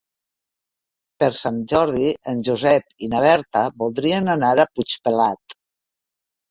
Per Sant Jordi en Josep i na Berta voldrien anar a Puigpelat.